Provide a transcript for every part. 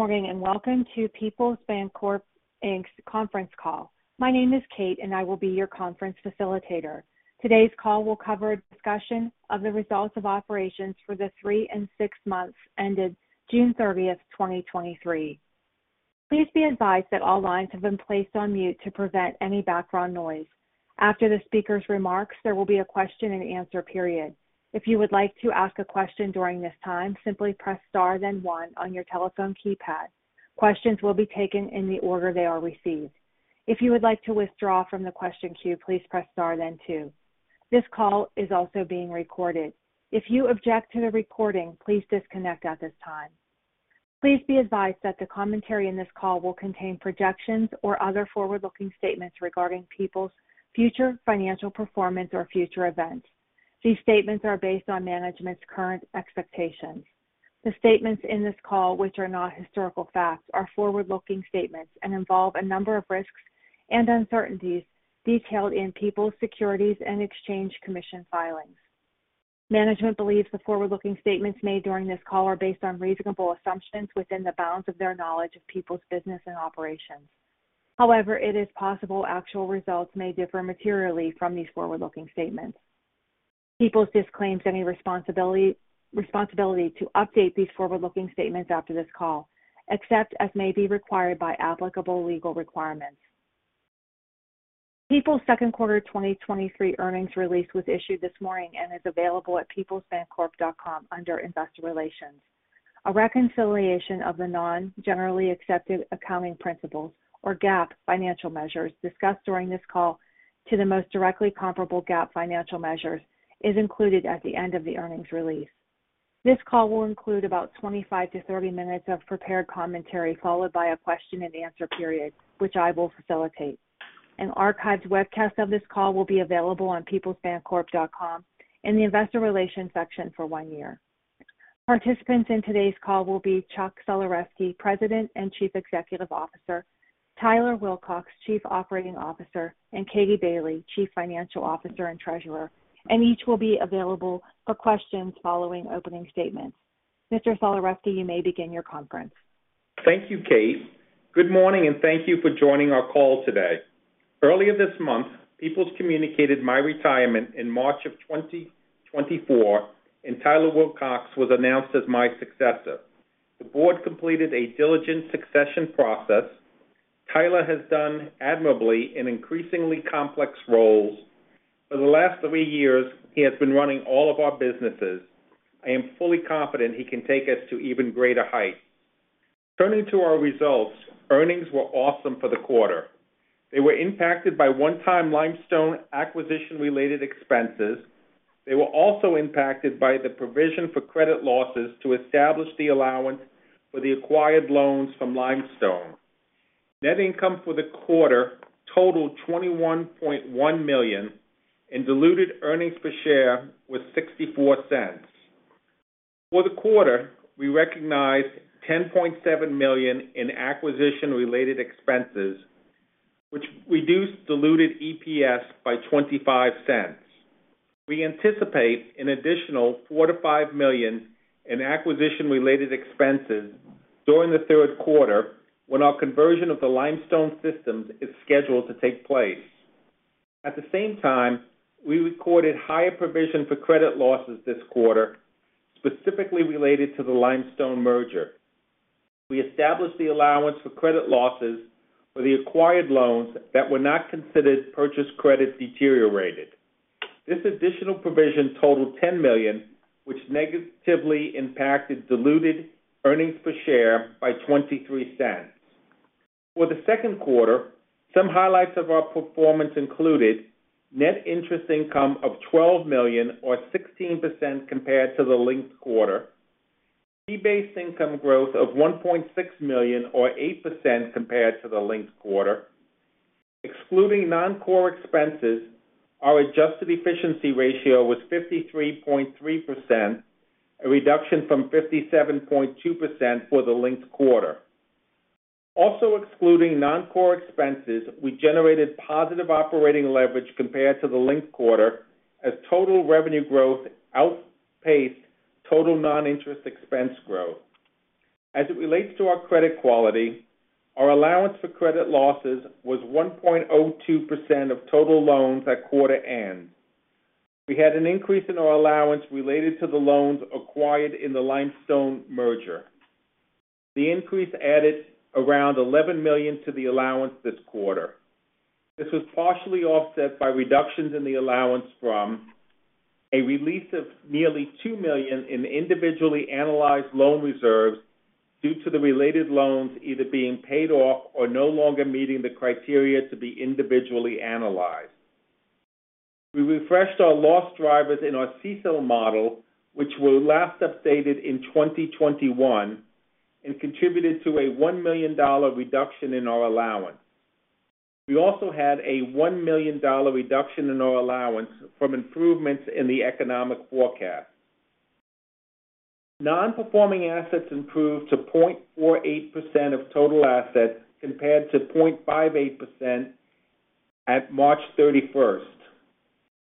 Good morning. Welcome to Peoples Bancorp Inc's conference call. My name is Kate. I will be your conference facilitator. Today's call will cover a discussion of the results of operations for the 3 and 6 months ended June 30, 2023. Please be advised that all lines have been placed on mute to prevent any background noise. After the speaker's remarks, there will be a question and answer period. If you would like to ask a question during this time, simply press Star then one on your telephone keypad. Questions will be taken in the order they are received. If you would like to withdraw from the question queue, please press Star then two. This call is also being recorded. If you object to the recording, please disconnect at this time. Please be advised that the commentary in this call will contain projections or other forward-looking statements regarding Peoples' future financial performance or future events. These statements are based on management's current expectations. The statements in this call, which are not historical facts, are forward-looking statements and involve a number of risks and uncertainties detailed in Peoples' Securities and Exchange Commission filings. Management believes the forward-looking statements made during this call are based on reasonable assumptions within the bounds of their knowledge of Peoples' business and operations. However, it is possible actual results may differ materially from these forward-looking statements. Peoples disclaims any responsibility to update these forward-looking statements after this call, except as may be required by applicable legal requirements. Peoples' second quarter 2023 earnings release was issued this morning and is available at peoplesbancorp.com under Investor Relations. A reconciliation of the non-generally accepted accounting principles or GAAP financial measures discussed during this call to the most directly comparable GAAP financial measures is included at the end of the earnings release. This call will include about 25 to 30 minutes of prepared commentary, followed by a question and answer period, which I will facilitate. An archived webcast of this call will be available on peoplesbancorp.com in the Investor Relations section for 1 year. Participants in today's call will be Chuck Sulerzyski, President and Chief Executive Officer; Tyler Wilcox, Chief Operating Officer; and Katie Bailey, Chief Financial Officer and Treasurer. Each will be available for questions following opening statements. Mr. Sulerzyski, you may begin your conference. Thank you, Kate. Good morning, thank you for joining our call today. Earlier this month, Peoples communicated my retirement in March of 2024, Tyler Wilcox was announced as my successor. The board completed a diligent succession process. Tyler has done admirably in increasingly complex roles. For the last 3 years, he has been running all of our businesses. I am fully confident he can take us to even greater heights. Turning to our results, earnings were awesome for the quarter. They were impacted by one-time Limestone acquisition-related expenses. They were also impacted by the provision for credit losses to establish the allowance for the acquired loans from Limestone. Net income for the quarter totaled $21.1 million, diluted earnings per share was $0.64. For the quarter, we recognized $10.7 million in acquisition-related expenses, which reduced diluted EPS by $0.25. We anticipate an additional $4 million-$5 million in acquisition-related expenses during the third quarter, when our conversion of the Limestone systems is scheduled to take place. At the same time, we recorded higher provision for credit losses this quarter, specifically related to the Limestone merger. We established the allowance for credit losses for the acquired loans that were not considered purchased credit deteriorated. This additional provision totaled $10 million, which negatively impacted diluted earnings per share by $0.23. For the second quarter, some highlights of our performance included net interest income of $12 million or 16% compared to the linked quarter. Fee-based income growth of $1.6 million or 8% compared to the linked quarter. Excluding non-core expenses, our adjusted efficiency ratio was 53.3%, a reduction from 57.2% for the linked quarter. Excluding non-core expenses, we generated positive operating leverage compared to the linked quarter as total revenue growth outpaced total non-interest expense growth. As it relates to our credit quality, our allowance for credit losses was 1.02% of total loans at quarter end. We had an increase in our allowance related to the loans acquired in the Limestone merger. The increase added around $11 million to the allowance this quarter. This was partially offset by reductions in the allowance from a release of nearly $2 million in individually analyzed loan reserves due to the related loans either being paid off or no longer meeting the criteria to be individually analyzed. We refreshed our loss drivers in our CECL model, which were last updated in 2021 and contributed to a $1 million reduction in our allowance. We also had a $1 million reduction in our allowance from improvements in the economic forecast. Non-performing assets improved to 0.48% of total assets, compared to 0.58% at March 31st.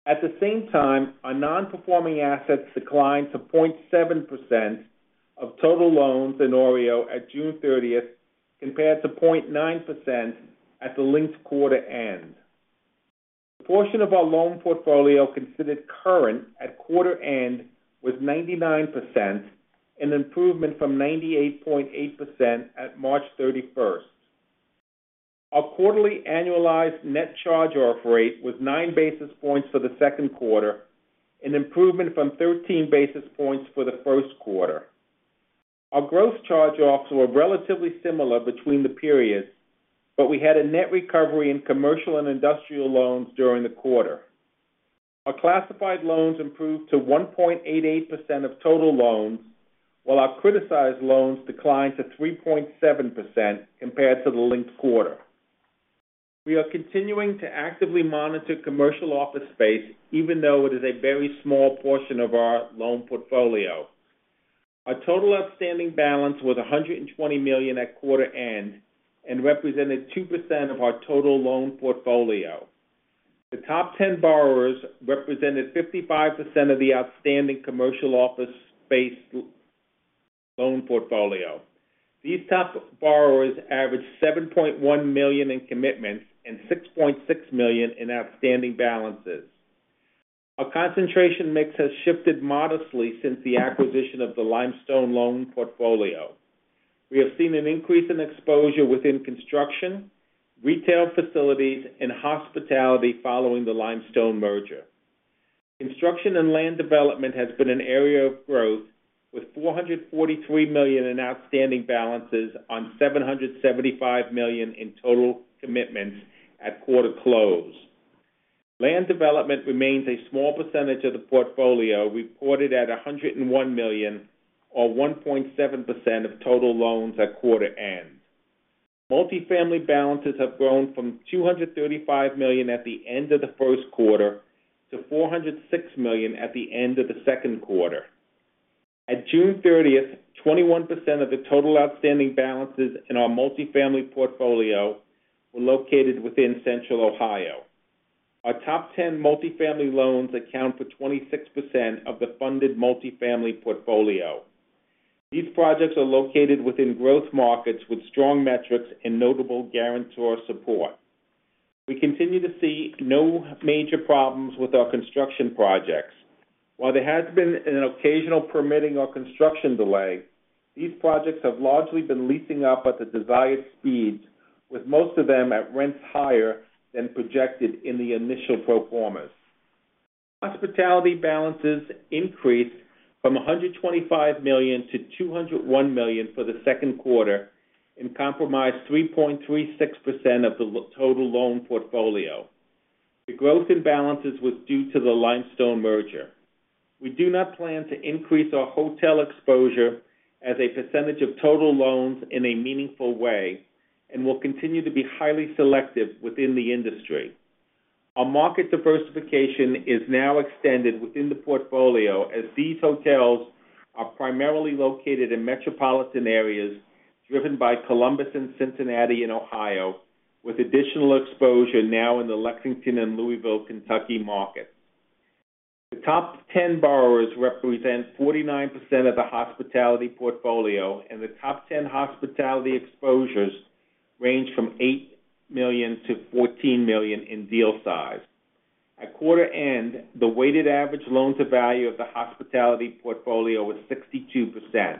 At the same time, our non-performing assets declined to 0.7% of total loans in OREO at June 30th, compared to 0.9% at the linked quarter end. The portion of our loan portfolio considered current at quarter end was 99%, an improvement from 98.8% at March 31st. Our quarterly annualized net charge-off rate was 9 basis points for the second quarter, an improvement from 13 basis points for the first quarter. Our gross charge-offs were relatively similar between the periods. We had a net recovery in commercial and industrial loans during the quarter. Our classified loans improved to 1.88% of total loans, while our criticized loans declined to 3.7% compared to the linked quarter. We are continuing to actively monitor commercial office space, even though it is a very small portion of our loan portfolio. Our total outstanding balance was $120 million at quarter end and represented 2% of our total loan portfolio. The top 10 borrowers represented 55% of the outstanding commercial office space loan portfolio. These top borrowers averaged $7.1 million in commitments and $6.6 million in outstanding balances. Our concentration mix has shifted modestly since the acquisition of the Limestone loan portfolio. We have seen an increase in exposure within construction, retail facilities, and hospitality following the Limestone merger. Construction and land development has been an area of growth, with $443 million in outstanding balances on $775 million in total commitments at quarter close. Land development remains a small percentage of the portfolio, reported at $101 million, or 1.7% of total loans at quarter end. Multifamily balances have grown from $235 million at the end of the first quarter to $406 million at the end of the second quarter. At June thirtieth, 21% of the total outstanding balances in our multifamily portfolio were located within Central Ohio. Our top 10 multifamily loans account for 26% of the funded multifamily portfolio. These projects are located within growth markets with strong metrics and notable guarantor support. We continue to see no major problems with our construction projects. While there has been an occasional permitting or construction delay, these projects have largely been leasing up at the desired speeds, with most of them at rents higher than projected in the initial performas. Hospitality balances increased from $125 million to $201 million for the second quarter and compromised 3.36% of the total loan portfolio. The growth in balances was due to the Limestone merger. We do not plan to increase our hotel exposure as a percentage of total loans in a meaningful way and will continue to be highly selective within the industry. Our market diversification is now extended within the portfolio as these hotels are primarily located in metropolitan areas driven by Columbus and Cincinnati in Ohio, with additional exposure now in the Lexington and Louisville, Kentucky, market. The top 10 borrowers represent 49% of the hospitality portfolio, and the top 10 hospitality exposures range from $8 million-$14 million in deal size. At quarter end, the weighted average loan-to-value of the hospitality portfolio was 62%.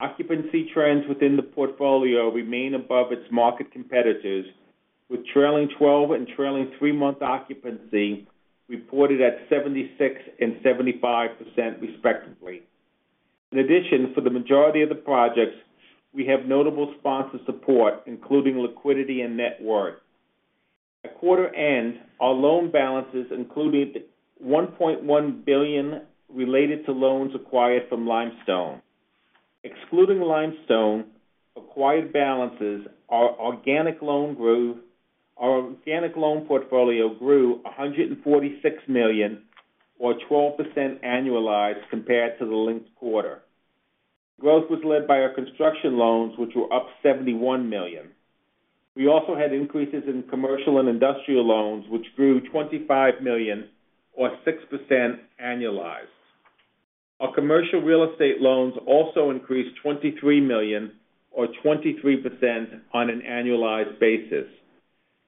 Occupancy trends within the portfolio remain above its market competitors, with trailing 12 and trailing 3-month occupancy reported at 76% and 75%, respectively. For the majority of the projects, we have notable sponsor support, including liquidity and net worth. At quarter end, our loan balances included $1.1 billion related to loans acquired from Limestone. Excluding Limestone-acquired balances, our organic loan portfolio grew $146 million, or 12% annualized compared to the linked quarter. Growth was led by our construction loans, which were up $71 million. We also had increases in commercial and industrial loans, which grew $25 million or 6% annualized. Our commercial real estate loans also increased $23 million or 23% on an annualized basis.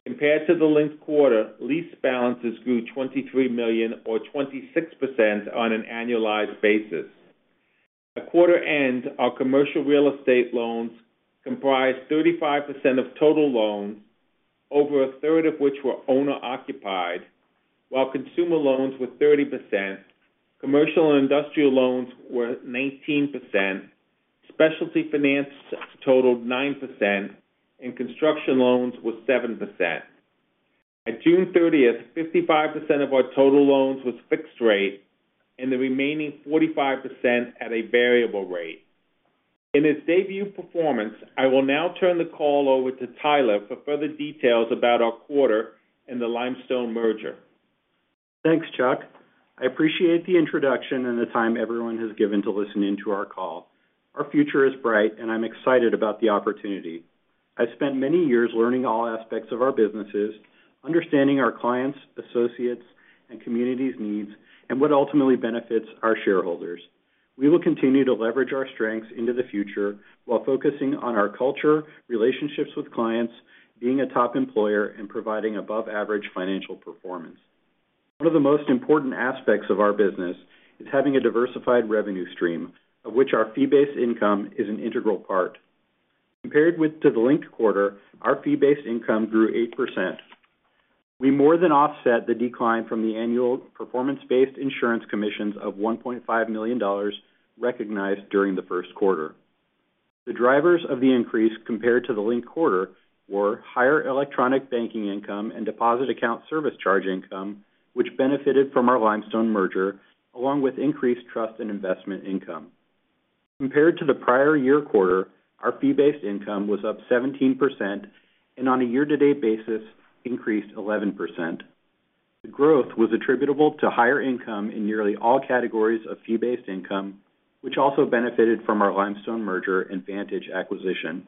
Compared to the linked quarter, lease balances grew $23 million or 26% on an annualized basis. At quarter end, our commercial real estate loans comprised 35% of total loans, over a third of which were owner-occupied, while consumer loans were 30%. Commercial and industrial loans were 19%, specialty finance totaled 9%, construction loans were 7%. At June 30th, 55% of our total loans was fixed rate and the remaining 45% at a variable rate. In his debut performance, I will now turn the call over to Tyler for further details about our quarter and the Limestone merger. Thanks, Chuck. I appreciate the introduction and the time everyone has given to listening to our call. Our future is bright, and I'm excited about the opportunity. I've spent many years learning all aspects of our businesses, understanding our clients, associates, and communities' needs, and what ultimately benefits our shareholders. We will continue to leverage our strengths into the future while focusing on our culture, relationships with clients, being a top employer, and providing above-average financial performance. One of the most important aspects of our business is having a diversified revenue stream, of which our fee-based income is an integral part. Compared to the linked quarter, our fee-based income grew 8%. We more than offset the decline from the annual performance-based insurance commissions of $1.5 million recognized during the first quarter. The drivers of the increase compared to the linked quarter were higher electronic banking income and deposit account service charge income, which benefited from our Limestone merger, along with increased trust and investment income. Compared to the prior year quarter, our fee-based income was up 17%, and on a year-to-date basis, increased 11%. The growth was attributable to higher income in nearly all categories of fee-based income, which also benefited from our Limestone merger and Vantage acquisition.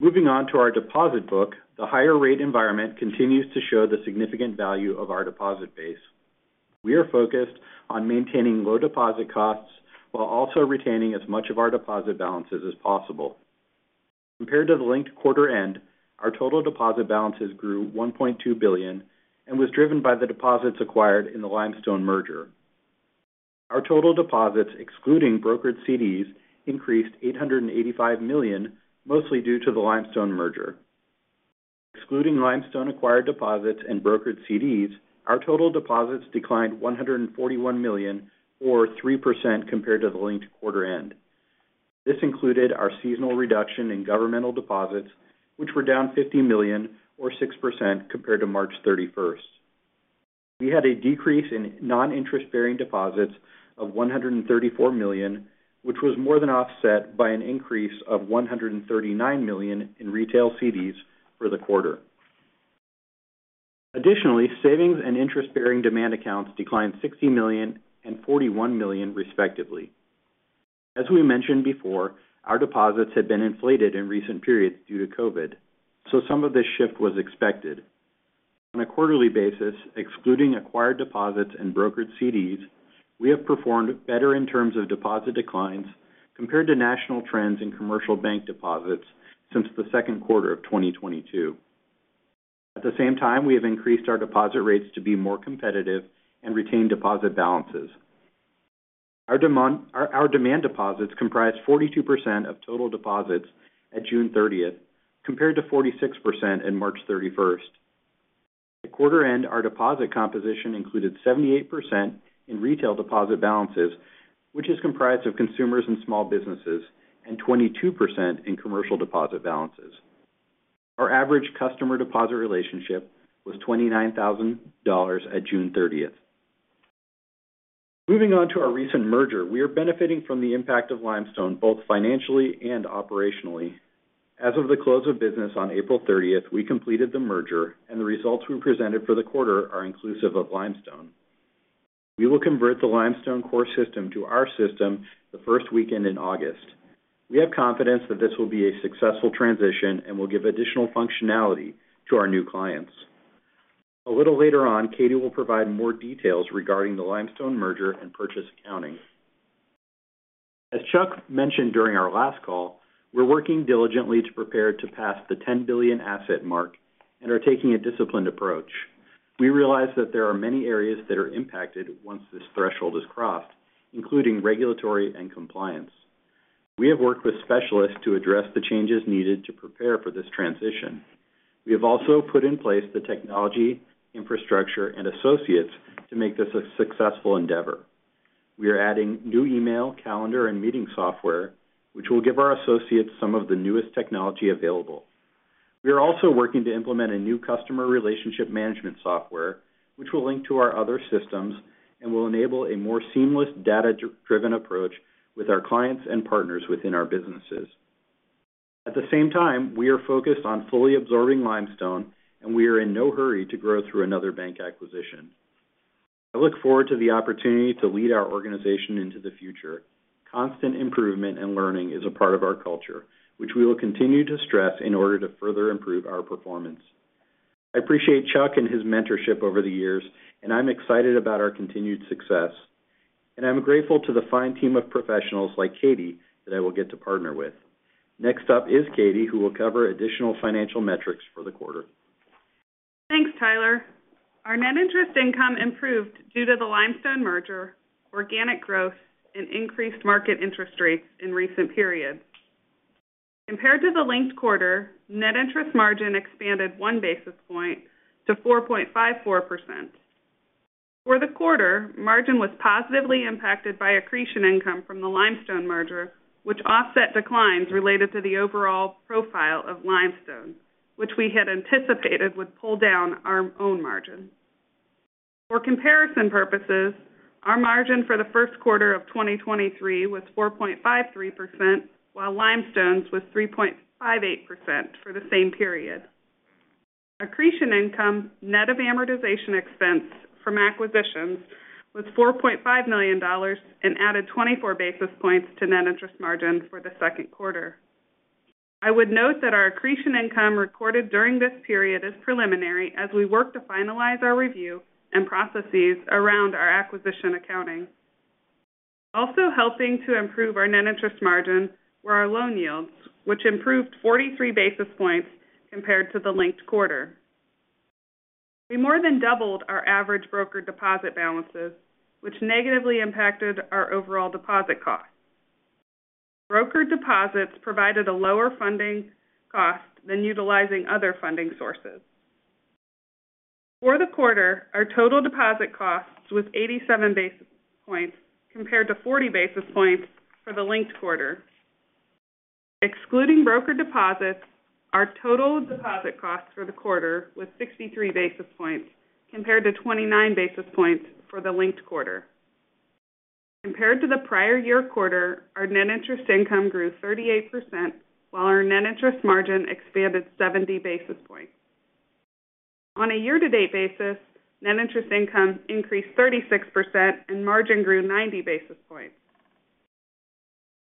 Moving on to our deposit book, the higher rate environment continues to show the significant value of our deposit base. We are focused on maintaining low deposit costs while also retaining as much of our deposit balances as possible. Compared to the linked quarter end, our total deposit balances grew $1.2 billion and was driven by the deposits acquired in the Limestone merger. Our total deposits, excluding brokered CDs, increased $885 million, mostly due to the Limestone merger. Excluding Limestone-acquired deposits and brokered CDs, our total deposits declined $141 million, or 3%, compared to the linked quarter end. This included our seasonal reduction in governmental deposits, which were down $50 million, or 6%, compared to March 31st. We had a decrease in non-interest-bearing deposits of $134 million, which was more than offset by an increase of $139 million in retail CDs for the quarter. Additionally, savings and interest-bearing demand accounts declined $60 million and $41 million, respectively. As we mentioned before, our deposits had been inflated in recent periods due to COVID, so some of this shift was expected. On a quarterly basis, excluding acquired deposits and brokered CDs, we have performed better in terms of deposit declines compared to national trends in commercial bank deposits since the second quarter of 2022. At the same time, we have increased our deposit rates to be more competitive and retain deposit balances. Our demand deposits comprised 42% of total deposits at June 30th, compared to 46% in March 31st. At quarter end, our deposit composition included 78% in retail deposit balances, which is comprised of consumers and small businesses, and 22% in commercial deposit balances. Our average customer deposit relationship was $29,000 at June 30th. Moving on to our recent merger, we are benefiting from the impact of Limestone, both financially and operationally. As of the close of business on April 30th, we completed the merger, and the results we presented for the quarter are inclusive of Limestone. We will convert the Limestone core system to our system the first weekend in August. We have confidence that this will be a successful transition and will give additional functionality to our new clients. A little later on, Katie will provide more details regarding the Limestone merger and purchase accounting. As Chuck mentioned during our last call, we're working diligently to prepare to pass the $10 billion asset mark and are taking a disciplined approach. We realize that there are many areas that are impacted once this threshold is crossed, including regulatory and compliance. We have worked with specialists to address the changes needed to prepare for this transition. We have also put in place the technology, infrastructure, and associates to make this a successful endeavor. We are adding new email, calendar, and meeting software, which will give our associates some of the newest technology available. We are also working to implement a new customer relationship management software, which will link to our other systems and will enable a more seamless, data-driven approach with our clients and partners within our businesses. We are focused on fully absorbing Limestone, and we are in no hurry to grow through another bank acquisition. I look forward to the opportunity to lead our organization into the future. Constant improvement and learning is a part of our culture, which we will continue to stress in order to further improve our performance. I appreciate Chuck and his mentorship over the years, and I'm excited about our continued success. I'm grateful to the fine team of professionals, like Katie, that I will get to partner with. Next up is Katie, who will cover additional financial metrics for the quarter. Thanks, Tyler. Our net interest income improved due to the Limestone merger, organic growth, and increased market interest rates in recent periods. Compared to the linked quarter, net interest margin expanded 1 basis point to 4.54%. For the quarter, margin was positively impacted by accretion income from the Limestone merger, which offset declines related to the overall profile of Limestone, which we had anticipated would pull down our own margin. For comparison purposes, our margin for the first quarter of 2023 was 4.53%, while Limestone's was 3.58% for the same period. Accretion income, net of amortization expense from acquisitions, was $4.5 million and added 24 basis points to net interest margin for the second quarter. I would note that our accretion income recorded during this period is preliminary as we work to finalize our review and processes around our acquisition accounting. Also helping to improve our net interest margin were our loan yields, which improved 43 basis points compared to the linked quarter. We more than doubled our average brokered deposit balances, which negatively impacted our overall deposit costs. Brokered deposits provided a lower funding cost than utilizing other funding sources. For the quarter, our total deposit costs was 87 basis points, compared to 40 basis points for the linked quarter. Excluding brokered deposits, our total deposit costs for the quarter was 63 basis points, compared to 29 basis points for the linked quarter. Compared to the prior year quarter, our net interest income grew 38%, while our net interest margin expanded 70 basis points. On a year-to-date basis, net interest income increased 36% and margin grew 90 basis points.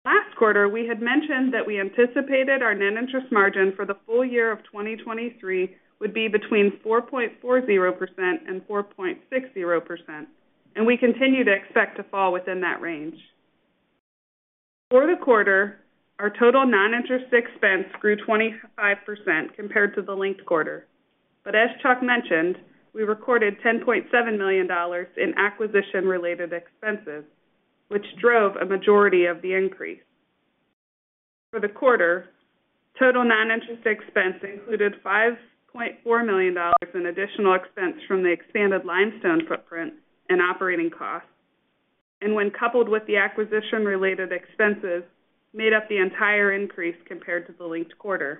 Last quarter, we had mentioned that we anticipated our net interest margin for the full year of 2023 would be between 4.40% and 4.60%. We continue to expect to fall within that range. For the quarter, our total non-interest expense grew 25% compared to the linked quarter. As Chuck mentioned, we recorded $10.7 million in acquisition-related expenses, which drove a majority of the increase. For the quarter, total non-interest expense included $5.4 million in additional expense from the expanded Limestone footprint and operating costs. When coupled with the acquisition-related expenses, made up the entire increase compared to the linked quarter.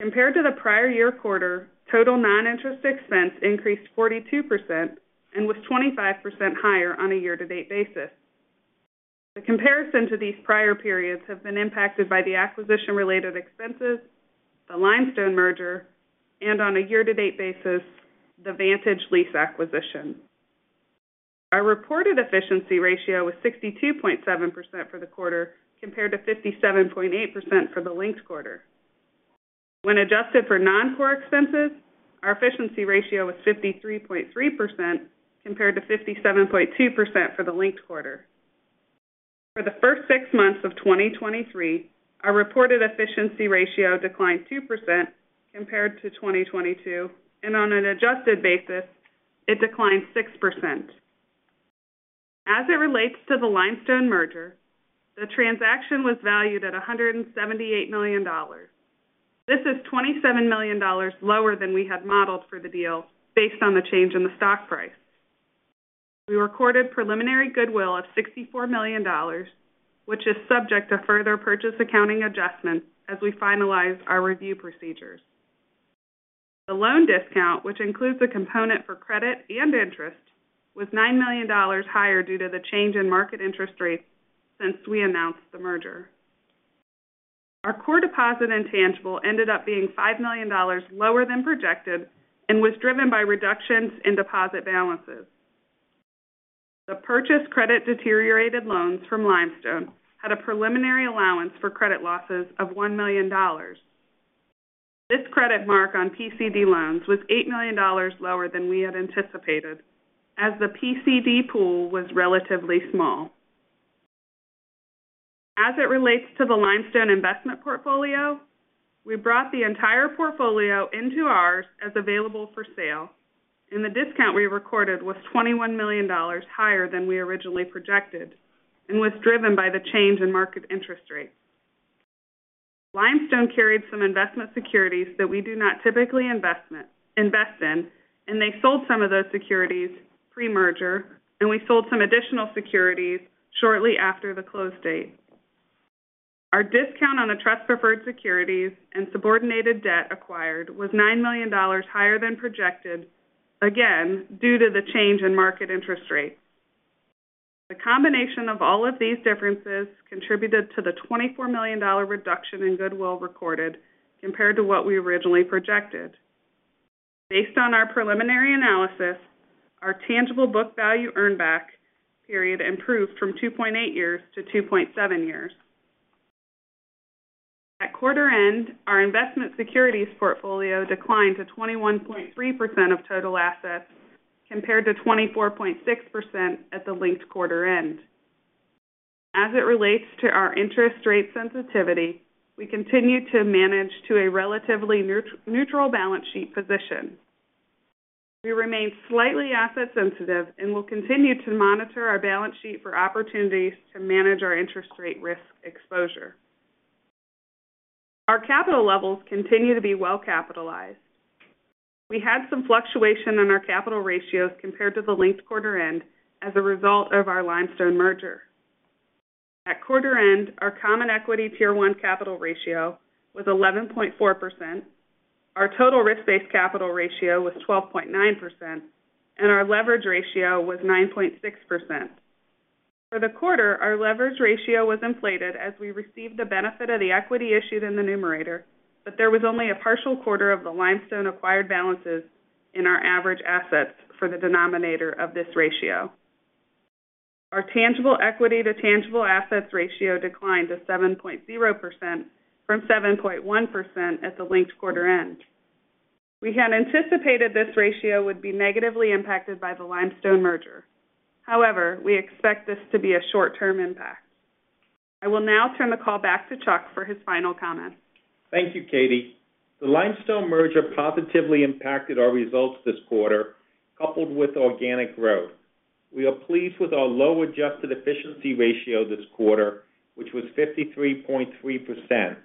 Compared to the prior year quarter, total non-interest expense increased 42% and was 25% higher on a year-to-date basis. The comparison to these prior periods have been impacted by the acquisition-related expenses, the Limestone merger, and on a year-to-date basis, the Vantage Financial acquisition. Our reported efficiency ratio was 62.7% for the quarter, compared to 57.8% for the linked quarter. When adjusted for non-core expenses, our efficiency ratio was 53.3%, compared to 57.2% for the linked quarter. For the first six months of 2023, our reported efficiency ratio declined 2% compared to 2022, and on an adjusted basis, it declined 6%. As it relates to the Limestone merger, the transaction was valued at $178 million. This is $27 million lower than we had modeled for the deal based on the change in the stock price. We recorded preliminary goodwill of $64 million, which is subject to further purchase accounting adjustments as we finalize our review procedures. The loan discount, which includes a component for credit and interest, was $9 million higher due to the change in market interest rates since we announced the merger. Our core deposit intangible ended up being $5 million lower than projected and was driven by reductions in deposit balances. The purchased credit deteriorated loans from Limestone had a preliminary allowance for credit losses of $1 million. This credit mark on PCD loans was $8 million lower than we had anticipated, as the PCD pool was relatively small. The Limestone investment portfolio, we brought the entire portfolio into ours as available for sale. The discount we recorded was $21 million higher than we originally projected and was driven by the change in market interest rates. Limestone carried some investment securities that we do not typically invest in. They sold some of those securities pre-merger, and we sold some additional securities shortly after the close date. Our discount on the trust preferred securities and subordinated debt acquired was $9 million higher than projected, again, due to the change in market interest rates. The combination of all of these differences contributed to the $24 million reduction in goodwill recorded compared to what we originally projected. Based on our preliminary analysis, our tangible book value earn back period improved from 2.8 years to 2.7 years. At quarter end, our investment securities portfolio declined to 21.3% of total assets, compared to 24.6% at the linked quarter end. As it relates to our interest rate sensitivity, we continue to manage to a relatively neutral balance sheet position. We remain slightly asset sensitive and will continue to monitor our balance sheet for opportunities to manage our interest rate risk exposure. Our capital levels continue to be well capitalized. We had some fluctuation in our capital ratios compared to the linked quarter end as a result of our Limestone merger. At quarter end, our Common Equity Tier 1 capital ratio was 11.4%, our Total Risk-Based Capital ratio was 12.9%, and our leverage ratio was 9.6%. For the quarter, our leverage ratio was inflated as we received the benefit of the equity issued in the numerator, but there was only a partial quarter of the Limestone acquired balances in our average assets for the denominator of this ratio. Our tangible equity to tangible assets ratio declined to 7.0% from 7.1% at the linked quarter end. We had anticipated this ratio would be negatively impacted by the Limestone merger. However, we expect this to be a short-term impact. I will now turn the call back to Chuck for his final comments. Thank you, Katie. The Limestone merger positively impacted our results this quarter, coupled with organic growth. We are pleased with our low adjusted efficiency ratio this quarter, which was 53.3%.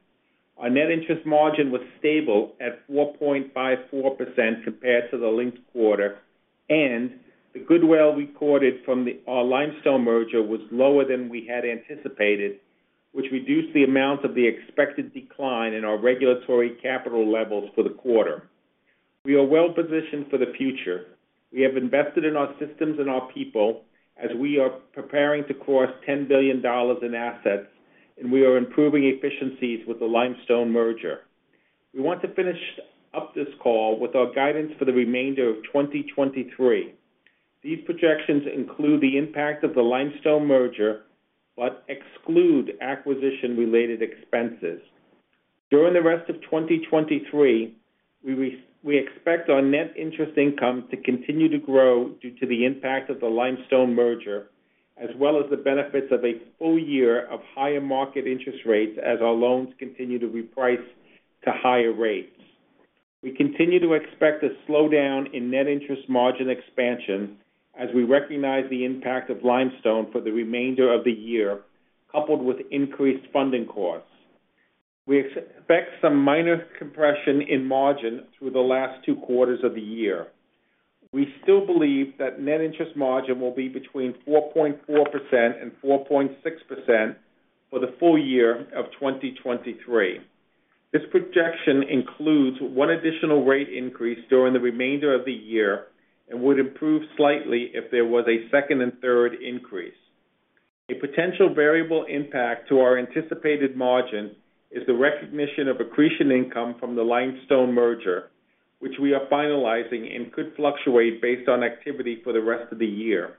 Our net interest margin was stable at 4.54% compared to the linked quarter. The goodwill recorded from our Limestone merger was lower than we had anticipated, which reduced the amount of the expected decline in our regulatory capital levels for the quarter. We are well positioned for the future. We have invested in our systems and our people as we are preparing to cross $10 billion in assets. We are improving efficiencies with the Limestone merger. We want to finish up this call with our guidance for the remainder of 2023. These projections include the impact of the Limestone merger, but exclude acquisition-related expenses. During the rest of 2023, we expect our net interest income to continue to grow due to the impact of the Limestone merger, as well as the benefits of a full year of higher market interest rates as our loans continue to reprice to higher rates. We continue to expect a slowdown in net interest margin expansion as we recognize the impact of Limestone for the remainder of the year, coupled with increased funding costs. We expect some minor compression in margin through the last two quarters of the year. We still believe that net interest margin will be between 4.4% and 4.6% for the full year of 2023. This projection includes one additional rate increase during the remainder of the year and would improve slightly if there was a second and third increase. A potential variable impact to our anticipated margin is the recognition of accretion income from the Limestone merger, which we are finalizing and could fluctuate based on activity for the rest of the year.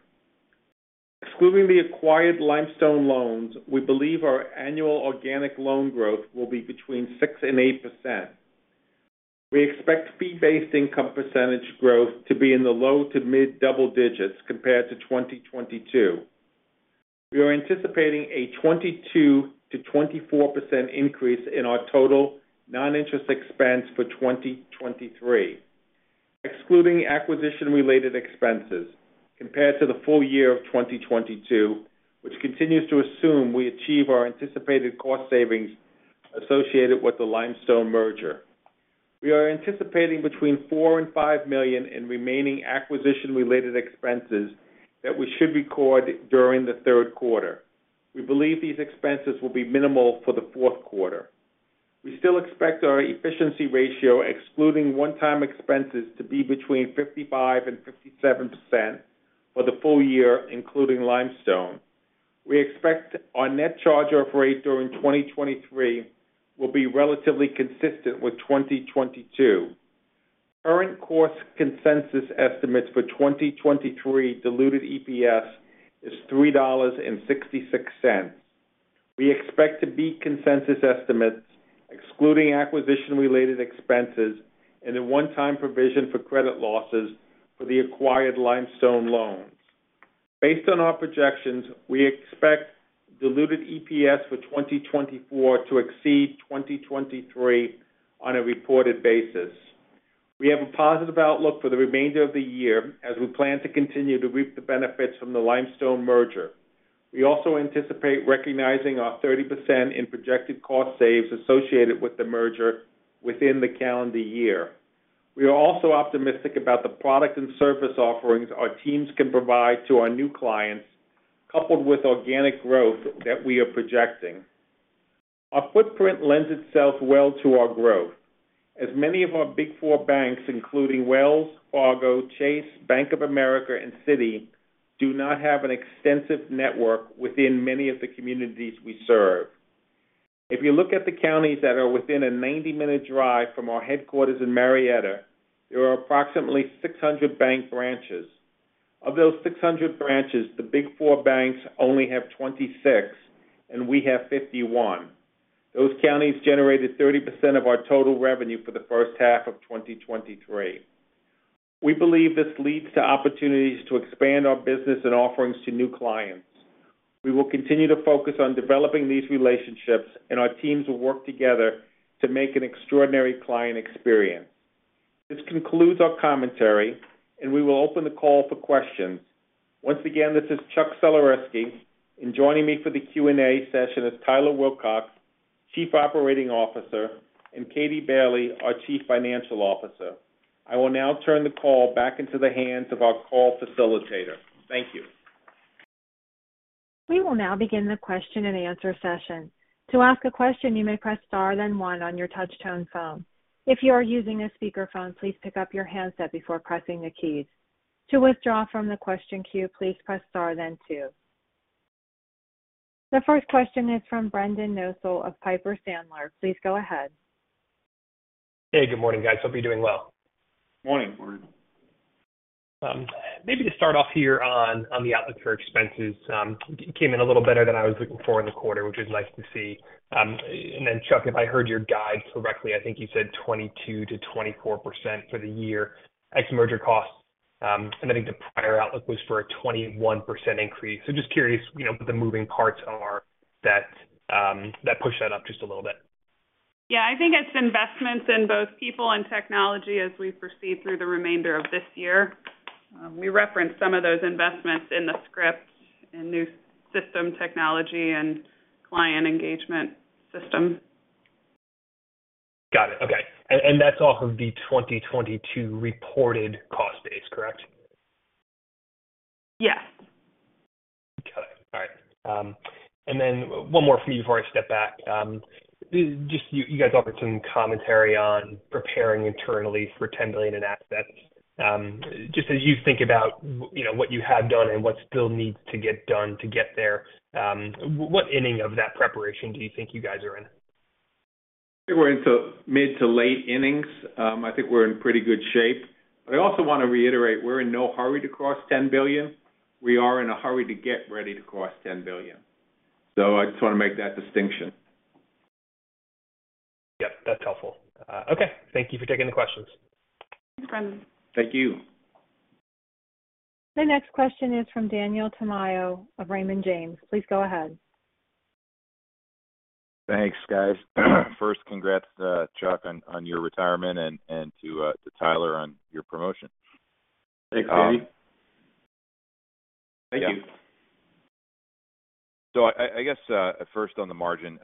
Excluding the acquired Limestone loans, we believe our annual organic loan growth will be between 6% and 8%. We expect fee-based income percentage growth to be in the low to mid-double digits compared to 2022. We are anticipating a 22%-24% increase in our total non-interest expense for 2023. Excluding acquisition-related expenses compared to the full year of 2022, which continues to assume we achieve our anticipated cost savings associated with the Limestone merger. We are anticipating between $4 million and $5 million in remaining acquisition-related expenses that we should record during the third quarter. We believe these expenses will be minimal for the fourth quarter. We still expect our efficiency ratio, excluding one-time expenses, to be between 55% and 57% for the full year, including Limestone. We expect our net charge-off rate during 2023 will be relatively consistent with 2022. Current consensus estimates for 2023 diluted EPS is $3.66. We expect to beat consensus estimates, excluding acquisition-related expenses and a one-time provision for credit losses for the acquired Limestone loans. Based on our projections, we expect diluted EPS for 2024 to exceed 2023 on a reported basis. We have a positive outlook for the remainder of the year as we plan to continue to reap the benefits from the Limestone merger. We also anticipate recognizing our 30% in projected cost saves associated with the merger within the calendar year. We are also optimistic about the product and service offerings our teams can provide to our new clients, coupled with organic growth that we are projecting. Our footprint lends itself well to our growth, as many of our big four banks, including Wells Fargo, Chase, Bank of America, and Citi, do not have an extensive network within many of the communities we serve. If you look at the counties that are within a 90-minute drive from our headquarters in Marietta, there are approximately 600 bank branches. Of those 600 branches, the big four banks only have 26, and we have 51. Those counties generated 30% of our total revenue for the first half of 2023. We believe this leads to opportunities to expand our business and offerings to new clients. We will continue to focus on developing these relationships, and our teams will work together to make an extraordinary client experience. This concludes our commentary, and we will open the call for questions. Once again, this is Chuck Sulerzyski, and joining me for the Q&A session is Tyler Wilcox, Chief Operating Officer, and Katie Bailey, our Chief Financial Officer. I will now turn the call back into the hands of our call facilitator. Thank you. We will now begin the question-and-answer session. To ask a question, you may press Star, then one on your touch-tone phone. If you are using a speakerphone, please pick up your handset before pressing the keys. To withdraw from the question queue, please press Star, then two. The first question is from Brendan Nosal of Piper Sandler. Please go ahead. Hey, good morning, guys. Hope you're doing well. Morning. Maybe to start off here on the outlook for expenses, it came in a little better than I was looking for in the quarter, which is nice to see. Chuck, if I heard your guide correctly, I think you said 22%-24% for the year, ex merger costs. I think the prior outlook was for a 21% increase. Just curious, you know, what the moving parts are that pushed that up just a little bit? I think it's investments in both people and technology as we proceed through the remainder of this year. We referenced some of those investments in the script in new system technology and client engagement system. Got it. Okay. That's off of the 2022 reported cost base, correct? Yes. Okay. All right. One more for you before I step back. Just you guys offered some commentary on preparing internally for 10 billion in assets. Just as you think about, you know, what you have done and what still needs to get done to get there, what inning of that preparation do you think you guys are in? I think we're into mid to late innings. I think we're in pretty good shape. I also want to reiterate, we're in no hurry to cross $10 billion. We are in a hurry to get ready to cross $10 billion. I just want to make that distinction. Yep, that's helpful. Okay. Thank you for taking the questions. Thanks, Brendan. Thank you. The next question is from Daniel Tamayo of Raymond James. Please go ahead. Thanks, guys. First, congrats, Chuck, on your retirement and to Tyler on your promotion. Thanks, Katie. Thank you. I guess, first on the margin,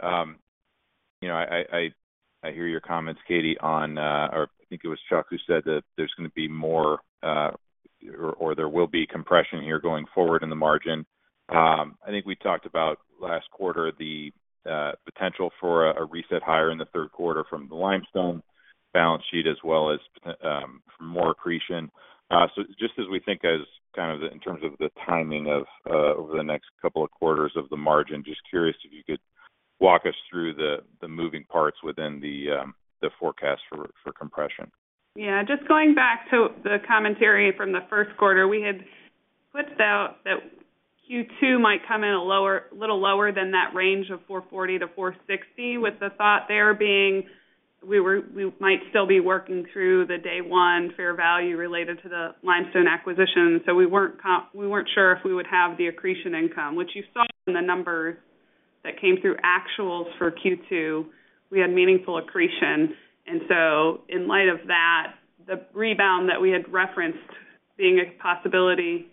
you know, I hear your comments, Katie, on, or I think it was Chuck who said that there's going to be more, there will be compression here going forward in the margin. I think we talked about last quarter the potential for a reset higher in the third quarter from the Limestone balance sheet as well as from more accretion. Just as we think as kind of in terms of the timing of over the next couple of quarters of the margin, just curious if you could walk us through the moving parts within the forecast for compression. Yeah. Just going back to the commentary from the first quarter, we had put out that Q2 might come in a little lower than that range of 440-460, with the thought there being we might still be working through the day one fair value related to the Limestone acquisition. We weren't sure if we would have the accretion income, which you saw in the numbers that came through actuals for Q2. We had meaningful accretion. In light of that, the rebound that we had referenced being a possibility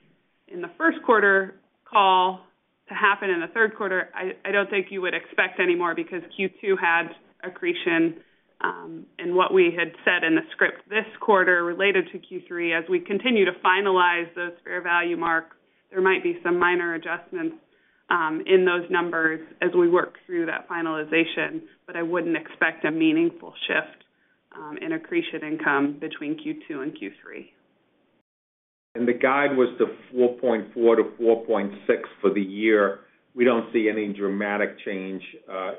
in the first quarter call to happen in the third quarter, I don't think you would expect anymore because Q2 had accretion. What we had said in the script this quarter related to Q3, as we continue to finalize those fair value marks, there might be some minor adjustments in those numbers as we work through that finalization. I wouldn't expect a meaningful shift in accretion income between Q2 and Q3. The guide was to 4.4%-4.6% for the year. We don't see any dramatic change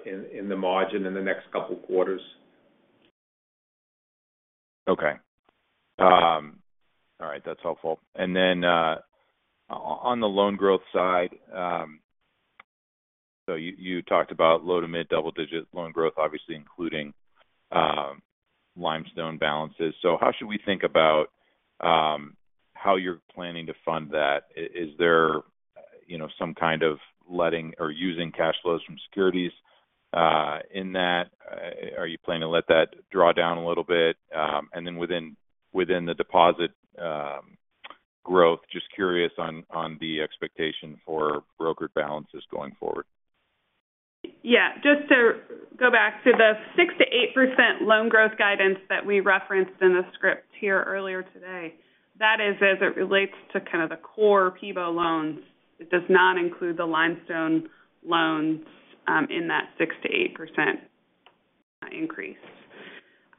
in the margin in the next couple quarters. Okay. All right, that's helpful. On the loan growth side, you talked about low to mid-double-digit loan growth, obviously, including Limestone balances. How should we think about how you're planning to fund that? Is there, you know, some kind of letting or using cash flows from securities in that? Are you planning to let that draw down a little bit? Then within the deposit growth, just curious on the expectation for brokered balances going forward. Yeah. Just to go back to the 6%-8% loan growth guidance that we referenced in the script here earlier today, that is as it relates to kind of the core PEBO loans. It does not include the Limestone loans, in that 6%-8% increase.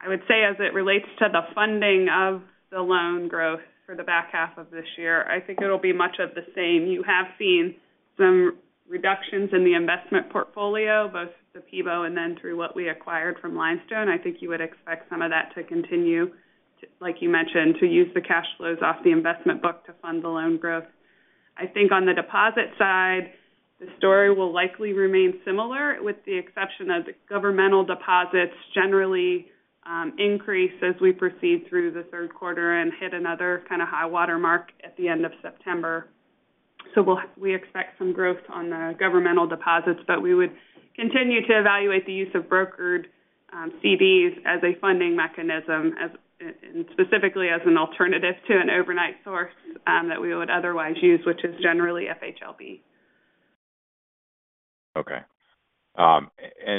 I would say, as it relates to the funding of the loan growth for the back half of this year, I think it'll be much of the same. You have seen some reductions in the investment portfolio, both the PEBO and then through what we acquired from Limestone. I think you would expect some of that to continue to, like you mentioned, to use the cash flows off the investment book to fund the loan growth. I think on the deposit side, the story will likely remain similar, with the exception of governmental deposits generally increase as we proceed through the third quarter and hit another kind of high water mark at the end of September. We expect some growth on the governmental deposits, but we would continue to evaluate the use of brokered CDs as a funding mechanism, as, and specifically as an alternative to an overnight source that we would otherwise use, which is generally FHLB. Okay.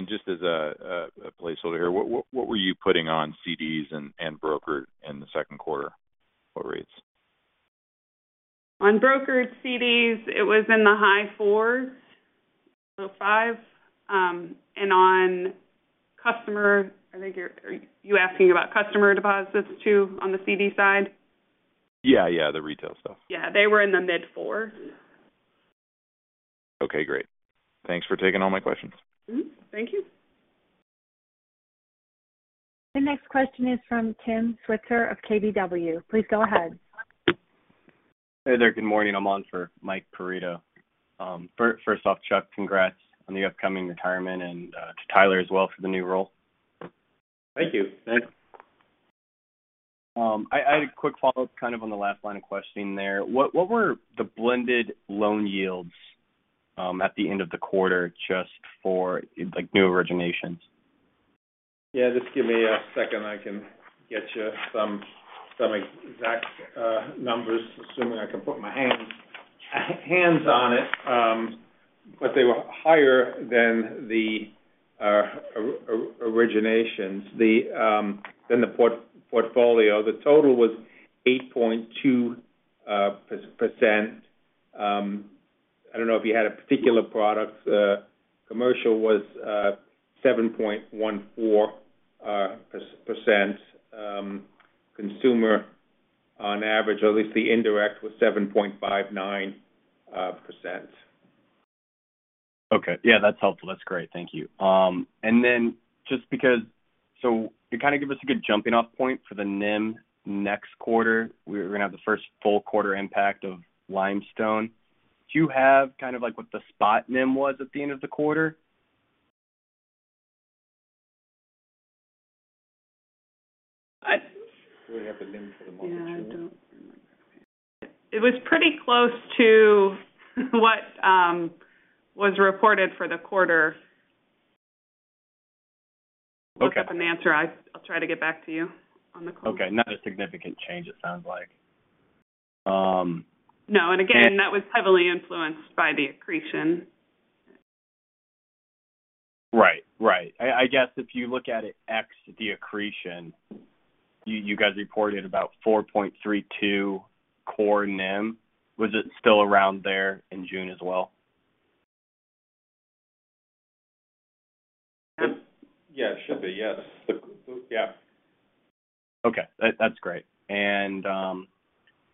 Just as a placeholder here, what were you putting on CDs and brokered in the second quarter, what rates? On brokered CDs, it was in the high 4s, low 5. On customer, I think are you asking about customer deposits, too, on the CD side? Yeah, yeah, the retail stuff. Yeah, they were in the mid four. Okay, great. Thanks for taking all my questions. Thank you. The next question is from Tim Switzer of KBW. Please go ahead. Hey there. Good morning. I'm on for Mike Perito. First off, Chuck, congrats on the upcoming retirement and to Tyler as well for the new role. Thank you. Thanks. I had a quick follow-up, kind of on the last line of questioning there. What were the blended loan yields at the end of the quarter, just for, like, new originations? Yeah, just give me a second. I can get you some exact numbers, assuming I can put my hands on it. They were higher than the originations, the than the portfolio. The total was 8.2%. I don't know if you had a particular product. Commercial was 7.14%. Consumer, on average, at least the indirect, was 7.59%. Okay. Yeah, that's helpful. That's great. Thank you. To kind of give us a good jumping off point for the NIM next quarter, we're going to have the first full quarter impact of Limestone. Do you have kind of like what the spot NIM was at the end of the quarter? We have the NIM for the month? Yeah, I don't. It was pretty close to what was reported for the quarter. Okay. Look up an answer. I'll try to get back to you on the call. Okay. Not a significant change, it sounds like. No, and again, that was heavily influenced by the accretion. Right. Right. I guess if you look at it, X, the accretion, you guys reported about 4.32% core NIM. Was it still around there in June as well? Yeah, it should be. Yes. Yeah. Okay, that's great.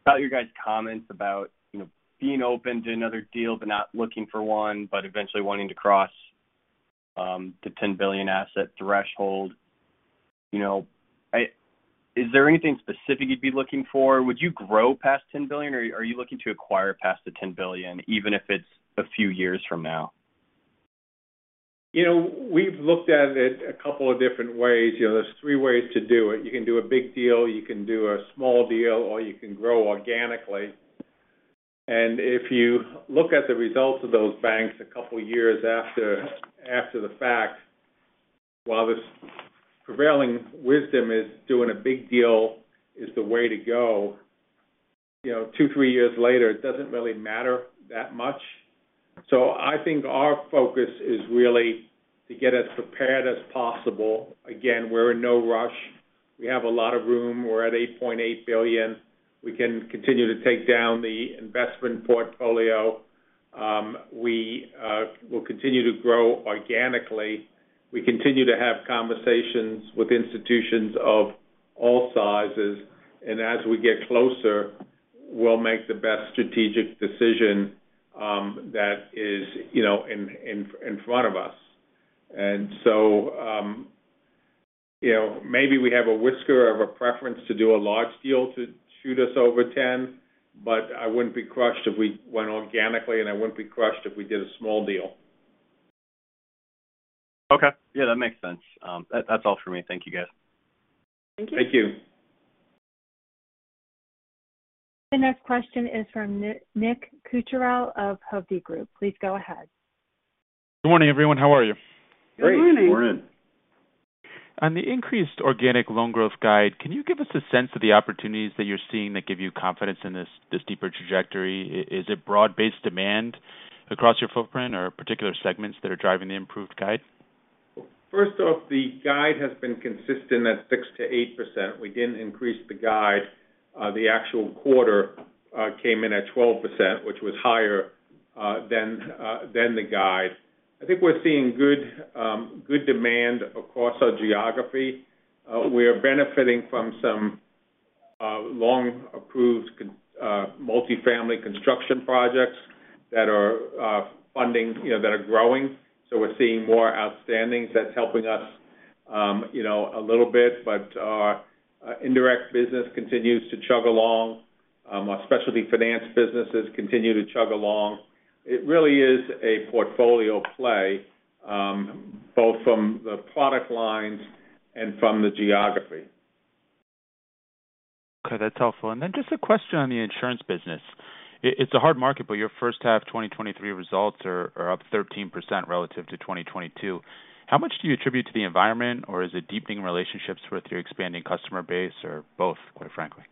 About you guys' comments about, you know, being open to another deal but not looking for one, but eventually wanting to cross the 10 billion asset threshold, you know, is there anything specific you'd be looking for? Would you grow past 10 billion, or are you looking to acquire past the 10 billion, even if it's a few years from now? You know, we've looked at it a couple of different ways. You know, there's 3 ways to do it. You can do a big deal, you can do a small deal, or you can grow organically. If you look at the results of those banks a couple of years after the fact, while this prevailing wisdom is doing a big deal is the way to go, you know, 2, 3 years later, it doesn't really matter that much. I think our focus is really to get as prepared as possible. Again, we're in no rush. We have a lot of room. We're at $8.8 billion. We can continue to take down the investment portfolio. We will continue to grow organically. We continue to have conversations with institutions of all sizes, as we get closer, we'll make the best strategic decision, that is, you know, in front of us. You know, maybe we have a whisker of a preference to do a large deal to shoot us over 10, but I wouldn't be crushed if we went organically, and I wouldn't be crushed if we did a small deal. Okay. Yeah, that makes sense. That's all for me. Thank you, guys. Thank you. Thank you. The next question is from Nick Cucharale of Hovde Group. Please go ahead. Good morning, everyone. How are you? Great, morning. On the increased organic loan growth guide, can you give us a sense of the opportunities that you're seeing that give you confidence in this deeper trajectory? Is it broad-based demand across your footprint or particular segments that are driving the improved guide? First off, the guide has been consistent at 6%-8%. We didn't increase the guide. The actual quarter came in at 12%, which was higher than the guide. I think we're seeing good demand across our geography. We are benefiting from some long approved multifamily construction projects that are funding, you know, that are growing. We're seeing more outstanding. That's helping us, you know, a little bit. Our indirect business continues to chug along. Our specialty finance businesses continue to chug along. It really is a portfolio play both from the product lines and from the geography. Okay, that's helpful. Just a question on the insurance business. It's a hard market, but your first half 2023 results are up 13% relative to 2022. How much do you attribute to the environment, or is it deepening relationships with your expanding customer base, or both, quite frankly?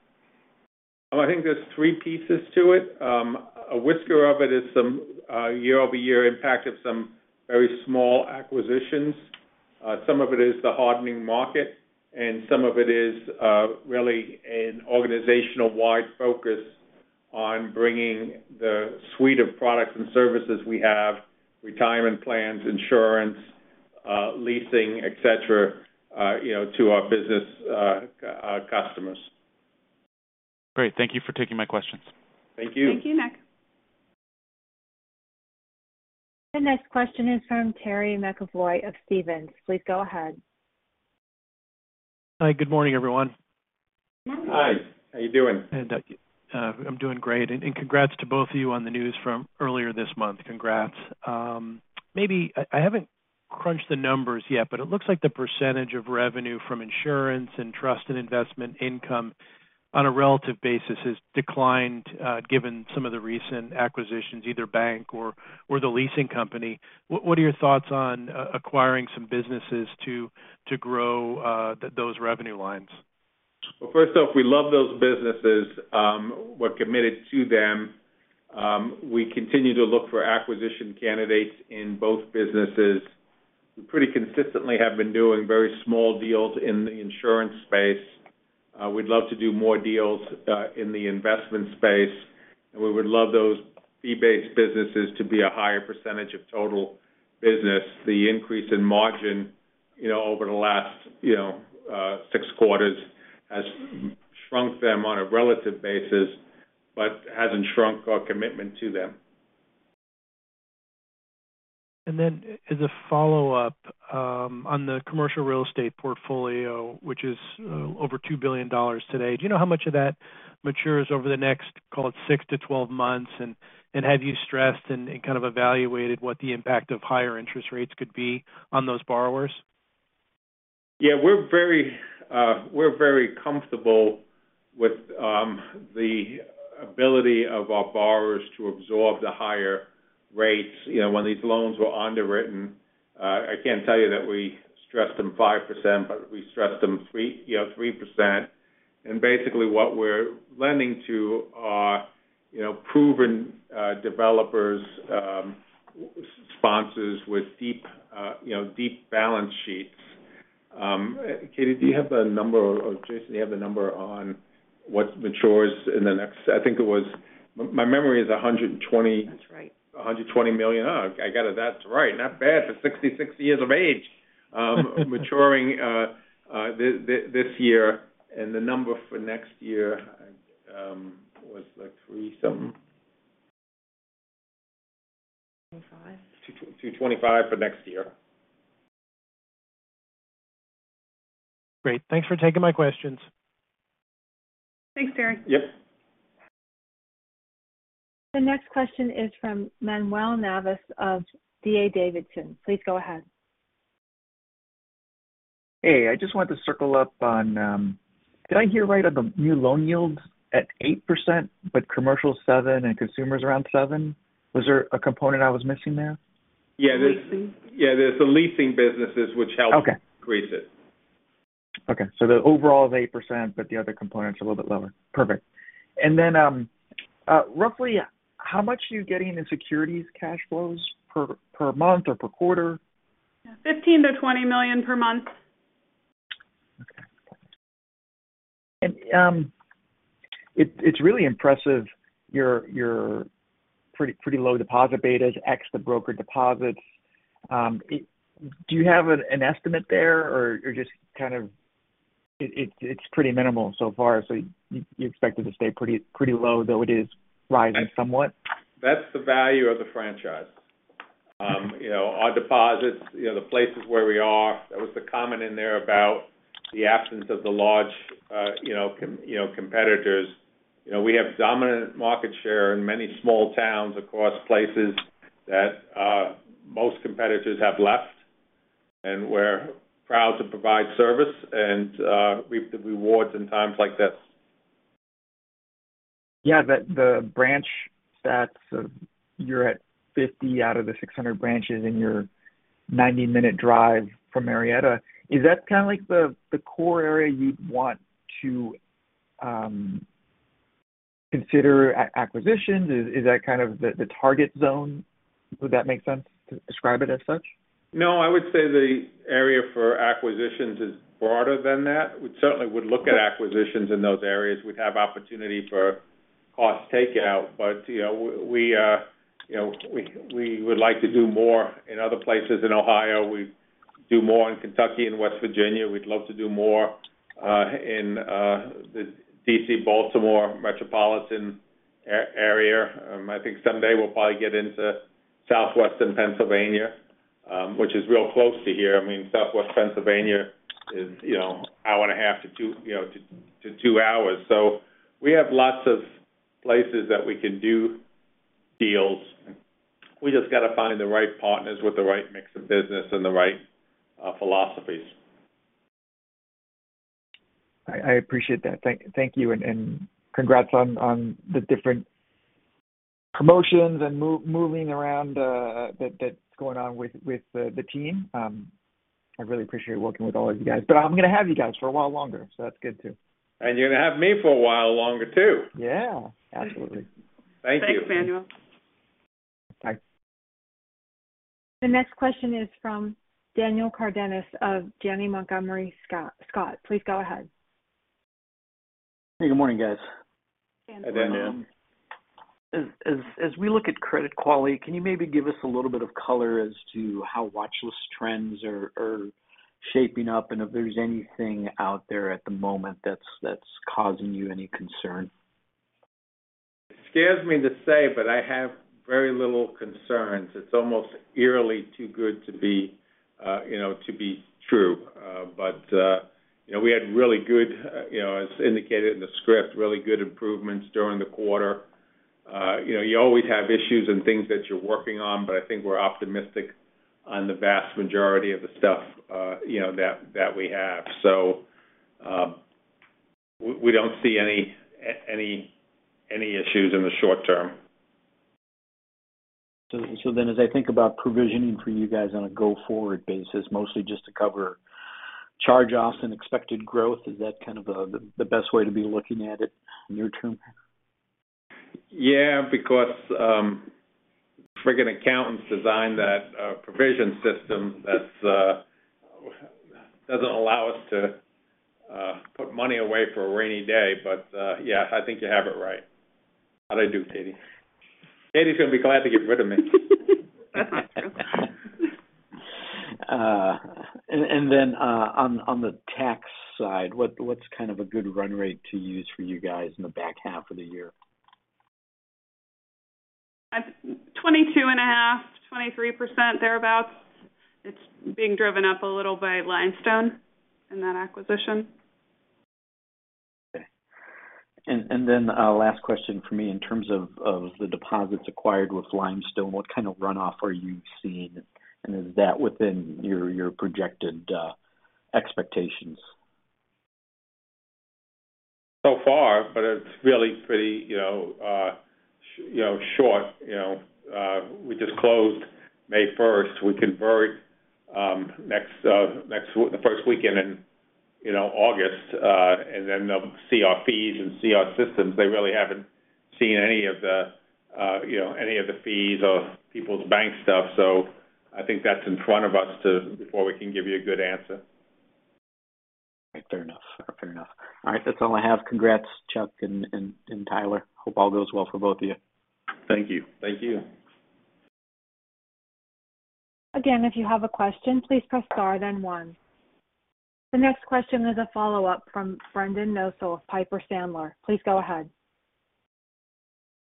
I think there's 3 pieces to it. A whisker of it is some year-over-year impact of some very small acquisitions. Some of it is the hardening market, and some of it is really an organization-wide focus on bringing the suite of products and services we have, retirement plans, insurance, leasing, et cetera, you know, to our business, our customers. Great. Thank you for taking my questions. Thank you. The next question is from Terry McEvoy of Stephens. Please go ahead. Hi, good morning, everyone. Hi. How you doing? I'm doing great. Congrats to both of you on the news from earlier this month. Congrats. Maybe I haven't crunched the numbers yet, but it looks like the percentage of revenue from insurance and trust and investment income on a relative basis has declined, given some of the recent acquisitions, either bank or the leasing company. What are your thoughts on acquiring some businesses to grow those revenue lines? Well, first off, we love those businesses. We're committed to them. We continue to look for acquisition candidates in both businesses. We pretty consistently have been doing very small deals in the insurance space. We'd love to do more deals, in the investment space, and we would love those fee-based businesses to be a higher % of total business. The increase in margin, you know, over the last, you know, 6 quarters, has shrunk them on a relative basis, but hasn't shrunk our commitment to them. As a follow-up, on the commercial real estate portfolio, which is over $2 billion today, do you know how much of that matures over the next, call it, 6-12 months? Have you stressed and kind of evaluated what the impact of higher interest rates could be on those borrowers? Yeah, we're very, we're very comfortable with the ability of our borrowers to absorb the higher rates. You know, when these loans were underwritten, I can't tell you that we stressed them 5%, but we stressed them three, you know, 3%. Basically what we're lending to are, you know, proven, developers, sponsors with deep, you know, deep balance sheets. Katie, do you have the number or Jason, do you have the number on what matures in the next... I think it was, my memory is 120- That's right $120 million. Oh, I got it, that's right. Not bad for 66 years of age. Maturing this year. The number for next year was like three something $2.25 for next year. Great. Thanks for taking my questions. Thanks, Terry. Yep. The next question is from Manuel Navas of D.A. Davidson. Please go ahead. Hey, I just wanted to circle up on, did I hear right on the new loan yields at 8%, but commercial 7% and consumers around 7%? Was there a component I was missing there? Yeah. Leasing. Yeah, there's the leasing businesses which helps-. Okay. Increase it. The overall is 8%, but the other components are a little bit lower. Roughly how much are you getting in securities cash flows per month or per quarter? $15 million-$20 million per month. Okay. It's really impressive, your pretty low deposit betas, ex the broker deposits. Do you have an estimate there, or you're just kind of it's pretty minimal so far, so you expect it to stay pretty low, though it is rising somewhat? That's the value of the franchise. You know, our deposits, you know, the places where we are, there was a comment in there about the absence of the large, you know, competitors. You know, we have dominant market share in many small towns across places that most competitors have left, and we're proud to provide service and reap the rewards in times like this. Yeah, the branch stats of you're at 50 out of the 600 branches in your 90-minute drive from Marietta? Is that kind of like the core area you'd want to consider acquisitions? Is that kind of the target zone? Would that make sense to describe it as such? I would say the area for acquisitions is broader than that. We certainly would look at acquisitions in those areas. We'd have opportunity for cost takeout, but, you know, we, you know, we would like to do more in other places in Ohio. We'd do more in Kentucky and West Virginia. We'd love to do more in the D.C., Baltimore metropolitan area. I think someday we'll probably get into Southwestern Pennsylvania, which is real close to here. I mean, Southwestern Pennsylvania is, you know, 1.5-2 hours. We have lots of places that we can do deals. We just got to find the right partners with the right mix of business and the right philosophies. I appreciate that. Thank you, and congrats on the different promotions and moving around, that's going on with the team. I really appreciate working with all of you guys, but I'm going to have you guys for a while longer, so that's good, too. You're going to have me for a while longer, too. Yeah, absolutely. Thank you. Thanks, Manuel. Bye. The next question is from Daniel Cardenas of Janney Montgomery Scott. Please go ahead. Hey, good morning, guys. Hi, Dan. As we look at credit quality, can you maybe give us a little bit of color as to how watchlist trends are shaping up, and if there's anything out there at the moment that's causing you any concern? It scares me to say, but I have very little concerns. It's almost eerily too good to be, you know, to be true. You know, we had really good, you know, as indicated in the script, really good improvements during the quarter. You know, you always have issues and things that you're working on, but I think we're optimistic on the vast majority of the stuff, you know, that we have. We, we don't see any issues in the short term. As I think about provisioning for you guys on a go-forward basis, mostly just to cover charge-offs and expected growth, is that kind of the best way to be looking at it near term? Yeah, because frigging accountants designed that provision system that doesn't allow us to put money away for a rainy day. Yeah, I think you have it right. How'd I do, Katie? Katie's gonna be glad to get rid of me. Then, on the tax side, what's kind of a good run rate to use for you guys in the back half of the year? 22.5% - 23%, thereabout. It's being driven up a little by Limestone and that acquisition. Okay. Then, last question for me. In terms of the deposits acquired with Limestone, what kind of runoff are you seeing? Is that within your projected expectations? Far, but it's really pretty, you know, short, you know. We just closed May first. We convert, next, the first weekend in, you know, August, and then they'll see our fees and see our systems. They really haven't seen any of the, you know, any of the fees or Peoples Bank stuff. I think that's in front of us before we can give you a good answer. Fair enough. Fair enough. All right. That's all I have. Congrats, Chuck and Tyler. Hope all goes well for both of you. Thank you. Thank you. Again, if you have a question, please press Star, then one. The next question is a follow-up from Brendan Nosal of Piper Sandler. Please go ahead.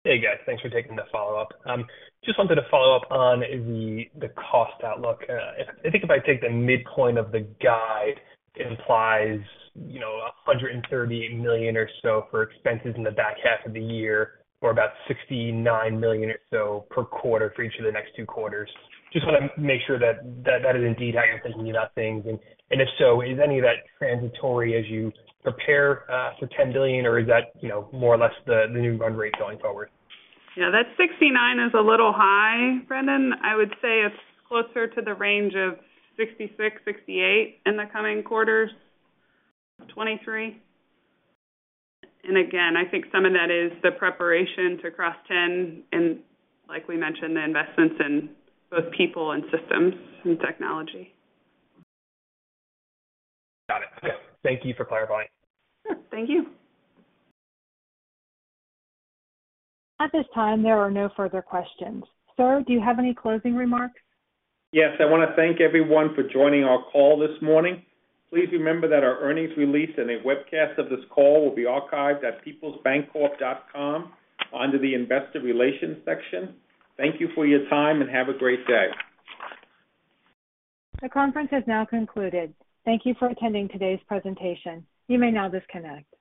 Hey, guys. Thanks for taking the follow-up. Just wanted to follow up on the cost outlook. I think if I take the midpoint of the guide, it implies, you know, $130 million or so for expenses in the back half of the year, or about $69 million or so per quarter for each of the next two quarters. Just want to make sure that is indeed how you're thinking about things. If so, is any of that transitory as you prepare for $10 billion? Or is that, you know, more or less the new run rate going forward? Yeah, that 69% is a little high, Brendan. I would say it's closer to the range of 66%-68% in the coming quarters, 2023. Again, I think some of that is the preparation to cross 10, and like we mentioned, the investments in both people and systems and technology. Got it. Okay. Thank you for clarifying. Sure. Thank you. At this time, there are no further questions. Sir, do you have any closing remarks? Yes, I want to thank everyone for joining our call this morning. Please remember that our earnings release and a webcast of this call will be archived at peoplesbancorp.com, under the Investor Relations section. Thank you for your time, and have a great day. The conference has now concluded. Thank you for attending today's presentation. You may now disconnect.